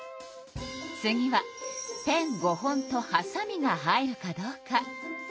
次はペン５本とはさみが入るかどうか。